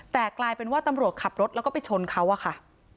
แต่กลายเป็นว่าตำรวจขับรถแล้วก็ไปชนเขาอะค่ะ